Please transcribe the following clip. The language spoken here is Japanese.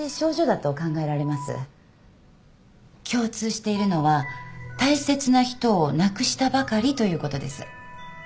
共通しているのは大切な人を亡くしたばかりということです。